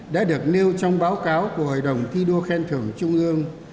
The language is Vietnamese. đã được nêu trong báo cáo của hội đồng thi đua khen thưởng trung ương